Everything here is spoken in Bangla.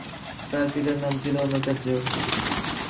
তার পিতার নাম ছিল অনাচার্য।